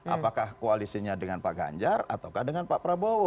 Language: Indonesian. apakah koalisinya dengan pak ganjar atau dengan pak prabowo